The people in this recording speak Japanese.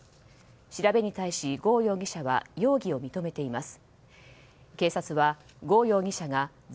調べに対し、郷容疑者は容疑を認めています。